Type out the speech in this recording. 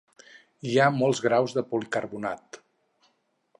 Hi ha molts graus de policarbonat.